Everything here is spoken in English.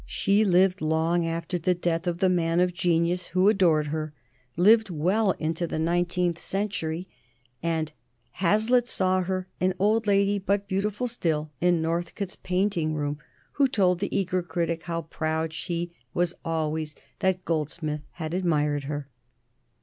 She lived long after the death of the man of genius who adored her, lived well into the nineteenth century, and "Hazlitt saw her, an old lady, but beautiful still, in Northcote's painting room, who told the eager critic how proud she was always that Goldsmith had admired her."